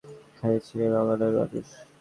খালিদ ছিলেন রণাঙ্গনের মানুষ।